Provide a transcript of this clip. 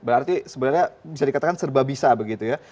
berarti sebenarnya bisa dikatakan serba bisa begitu ya